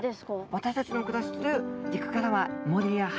私たちの暮らしてる陸からは森や林の栄養ですね。